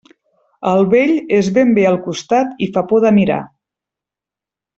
El vell és ben bé al costat i fa por de mirar.